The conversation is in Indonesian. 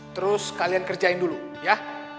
terus kalian kerjain dulu ya